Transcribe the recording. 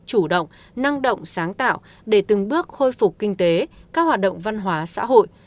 chủ động năng động sáng tạo để từng bước khôi phục kinh tế các hoạt động văn hóa xã hội